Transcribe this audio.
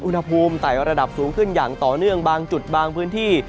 ไต่ระดับสูงขึ้นอย่างต่อเนื่องบางจุดบางพื้นที่